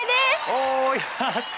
おやった！